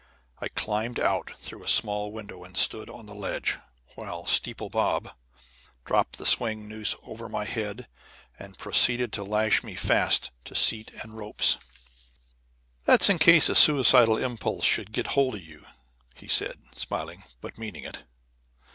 I climbed out through a small window and stood on the ledge, while "Steeple Bob" dropped the swing noose over my head and proceeded to lash me fast to seat and ropes. "That's in case a suicidal impulse should get hold of you!" he said, smiling, but meaning it.